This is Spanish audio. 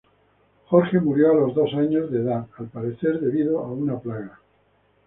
Jorge murió a los dos años de edad, al parecer debido a una plaga.